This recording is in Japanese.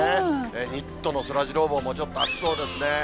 ニットのそらジロー帽もちょっと暑そうですね。